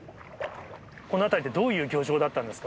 この辺りって、どういう漁場だったんですか？